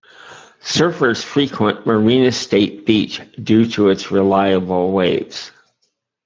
Surfers frequent Marina State Beach due to its reliable waves.